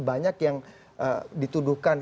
banyak yang dituduhkan